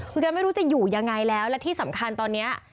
คือแกไม่รู้จะอยู่ยังไงแล้วและที่สำคัญตอนนี้